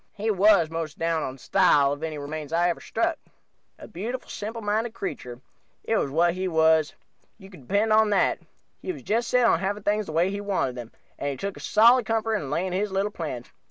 He was the most down on style of any remains I ever struck. A beautiful, simpleminded creature it was what he was, you can depend on that. He was just set on having things the way he wanted them, and he took a solid comfort in laying his little plans.